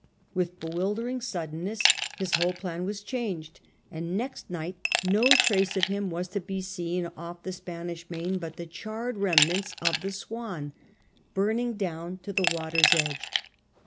With bewildering suddenness his whole plan was changed, and next night no trace of him was to be seen off the 11 SCUTTLING THE 'SWAN' 31 Spanish Main but the charred remnants of the Swan burning down to the water's edge.